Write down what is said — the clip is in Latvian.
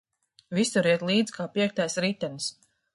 Visur iet līdz kā piektais ritenis.